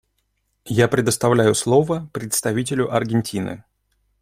Я предоставляю слово представителю Аргентины.